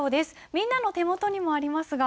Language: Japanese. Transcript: みんなの手元にもありますが。